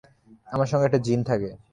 আমার সঙ্গে একটা জিন থাকে।